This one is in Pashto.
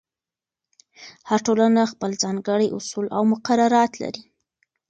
هر ټولنه خپل ځانګړي اصول او مقررات لري.